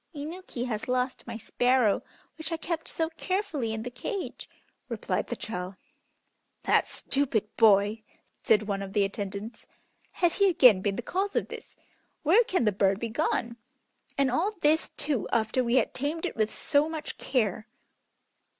"Inuki has lost my sparrow, which I kept so carefully in the cage," replied the child. "That stupid boy," said one of the attendants. "Has he again been the cause of this? Where can the bird be gone? And all this, too, after we had tamed it with so much care."